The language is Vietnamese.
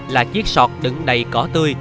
là chiếc sọt đứng đầy cỏ tươi